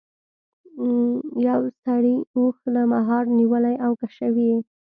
یو سړي اوښ له مهار نیولی او کشوي یې.